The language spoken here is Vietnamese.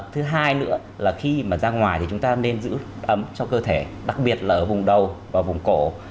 thứ hai nữa là khi mà ra ngoài thì chúng ta nên giữ ấm cho cơ thể đặc biệt là ở vùng đầu và vùng cổ